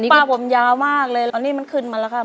ป้าผมยาวมากเลยตอนนี้มันขึ้นมาแล้วค่ะ